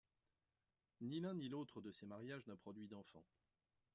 Ni l'un ni l'autre de ces mariages n'a produit d'enfant.